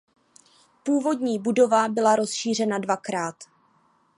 Původní budova byla rozšířena dvakrát.